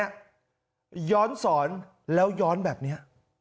ย้อนสอนแล้วย้อนแบบนี้